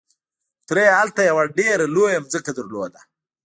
تره يې هلته يوه ډېره لويه ځمکه درلوده.